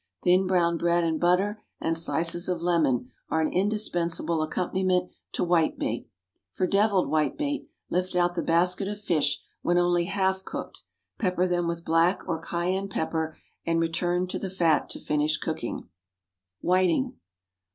Thin brown bread and butter and slices of lemon are an indispensable accompaniment to whitebait. For "Devilled Whitebait" lift out the basket of fish when only half cooked, pepper them with black or cayenne pepper and return to the fat to finish cooking. =Whiting.